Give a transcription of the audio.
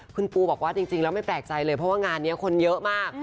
คุณปูบอกว่าจริงแล้วไม่แปลกใจเลยเพราะว่างานนี้คนเยอะมาก